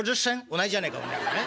「同じじゃねえかおめえは。